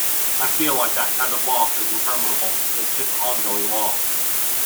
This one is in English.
I feel like that kind of loss is interminable, it's just ongoing loss.